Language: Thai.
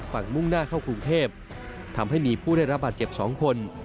มุ่งหน้าเข้ากรุงเทพทำให้มีผู้ได้รับบาดเจ็บ๒คน